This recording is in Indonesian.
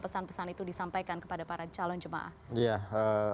pesan pesan itu disampaikan kepada para calon jemaah